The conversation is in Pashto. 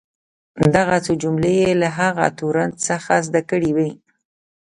دغه څو جملې یې له هغه تورن څخه زده کړې وې.